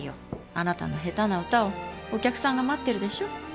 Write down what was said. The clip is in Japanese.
あなたの下手な歌をお客さんが待ってるでしょ。